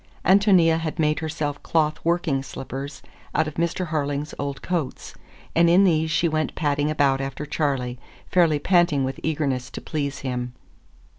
Ántonia had made herself cloth working slippers out of Mr. Harling's old coats, and in these she went padding about after Charley, fairly panting with eagerness to please him.